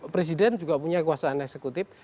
presiden juga punya kekuasaan eksekutif